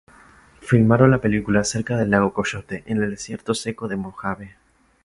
Filmaron la película cerca del lago Coyote en el desierto seco de Mojave.